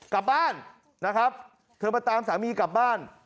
กลับบ้านนะครับเธอมาตามสามีกลับบ้าน